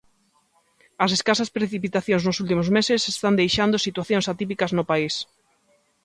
As escasas precipitacións dos últimos meses están deixando situacións atípicas no país.